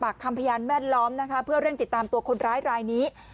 ปรักคำพยาบินแบนล้อมนะคะเพื่อเร่งติดตามตัวคนร้ายไหล่นี้